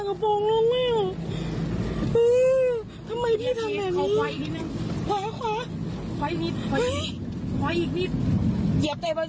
เย็บตัวเนี่ย